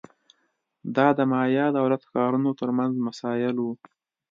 دا د مایا دولت ښارونو ترمنځ مسایل وو